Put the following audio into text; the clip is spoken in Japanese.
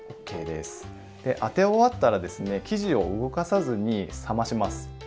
で当て終わったら生地を動かさずに冷まします。